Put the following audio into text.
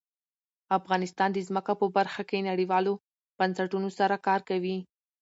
افغانستان د ځمکه په برخه کې نړیوالو بنسټونو سره کار کوي.